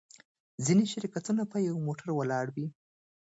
ځینې شرکتونه په یوه موټر ولاړ وي.